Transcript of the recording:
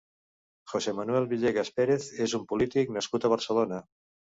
José Manuel Villegas Pérez és un polític nascut a Barcelona.